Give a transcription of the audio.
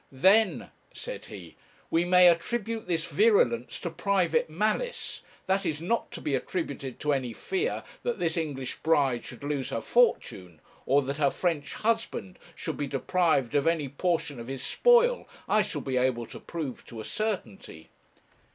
'Then,' said he, 'we may attribute this virulence to private malice; that it is not to be attributed to any fear that this English bride should lose her fortune, or that her French husband should be deprived of any portion of his spoil, I shall be able to prove to a certainty.